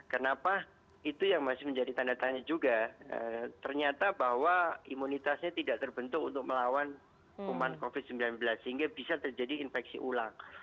kenapa itu yang masih menjadi tanda tanya juga ternyata bahwa imunitasnya tidak terbentuk untuk melawan kuman covid sembilan belas sehingga bisa terjadi infeksi ulang